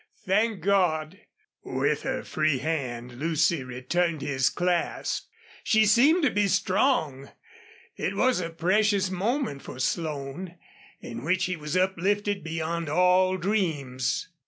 Thank God!" With her free hand Lucy returned his clasp. She seemed to be strong. It was a precious moment for Slone, in which he was uplifted beyond all dreams.